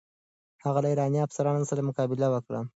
هغه له ایراني افسرانو سره مقابله وکړه.